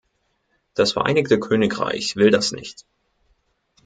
Das Vereinigte Königreich will das nicht!